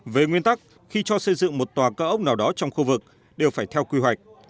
về nguyên tắc khi cho xây dựng một tòa cơ ốc nào đó trong khu vực đều phải theo quy hoạch